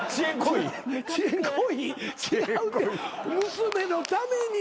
娘のためにや。